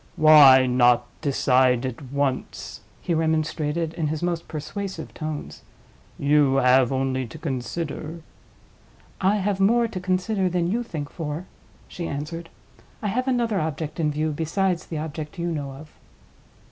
"Why not decide at once?" he remonstrated, in his most persuasive tones. "You have only to consider—" "I have more to consider than you think for," she answered. "I have another object in view besides the object you know of."